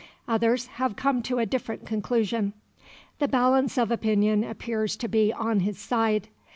Others have come to a different conclusion. The balance of opinion appears to be on his side.